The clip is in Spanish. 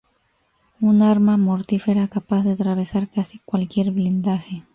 Un arma mortífera capaz de atravesar casi cualquier blindaje.